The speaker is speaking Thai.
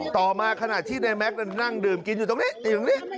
ต่อมาที่นายแม็กซ์นั่งบินกินอยู่ตรงนี้